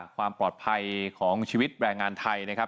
ความปลอดภัยของชีวิตแรงงานไทยนะครับ